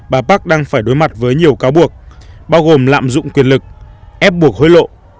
bà park đang phải đối mặt với nhiều cáo buộc bao gồm lạm dụng quyền lực ép buộc hối lộ